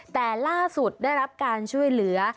แต่ล่าสุดได้รับการช่วยเหลือ